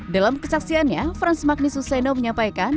dalam kesaksiannya franz magni suseno menyampaikan